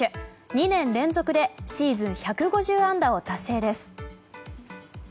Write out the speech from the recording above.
２年連続でシーズン１５０安打を達成です。